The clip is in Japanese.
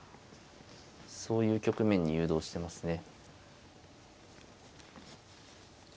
そういう局面に誘導してますね。